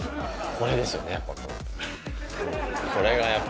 これですよね、やっぱ。